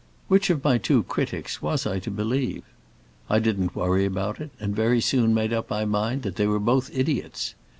Which of my two critics was I to believe? I didn't worry about it and very soon made up my mind they were both idiots.